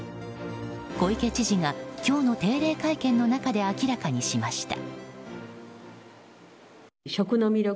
小池知事が今日の定例会見の中で明らかにしました。